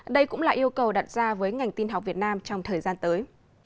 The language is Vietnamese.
đây cũng là yêu cầu đặt ra với ngành tin học việt nam trong thời gian tới